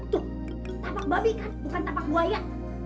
tuh tapak babi kan bukan tapak buaya